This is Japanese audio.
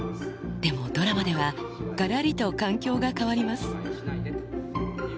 でもドラマでは、がらりと環境が変わります。